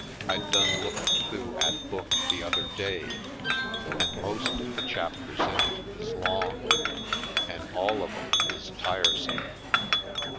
I done looked th'ough 'at book the other day an' most of the chapters in it is long an' all of 'em is tiresome.